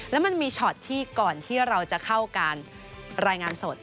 แล้วมันมีช็อตที่ก่อนที่เราจะเข้าการรายงานสด